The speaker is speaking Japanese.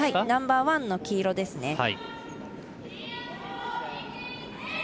ナンバーワンの黄色ですね。